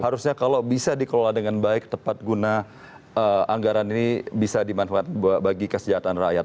harusnya kalau bisa dikelola dengan baik tepat guna anggaran ini bisa dimanfaatkan bagi kesejahteraan rakyat